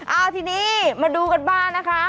เอาทีนี้มาดูกันบ้างนะคะ